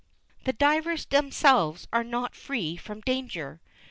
The divers themselves are not free from danger.